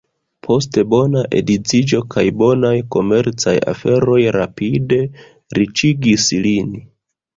Poste, bona edziĝo kaj bonaj komercaj aferoj rapide riĉigis lin.